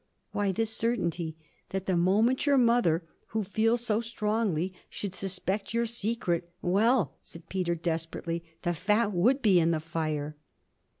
'Why this certainty: that the moment your mother, who feels so strongly, should suspect your secret well,' said Peter desperately, 'the fat would be on the fire.'